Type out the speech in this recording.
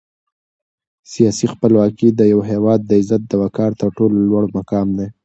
سیاسي خپلواکي د یو هېواد د عزت او وقار تر ټولو لوړ مقام دی.